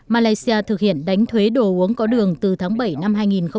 malaysia thực hiện đánh thuế đồ uống có đường từ tháng bảy năm hai nghìn hai mươi